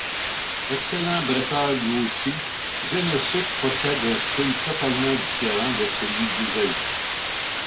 Excellent bretteur lui aussi, Gennosuke possède un style totalement différent de celui d'Usagi.